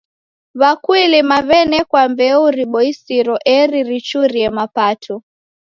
W'akuilima w'enekwa mbeu riboisiro eri richurie mapato.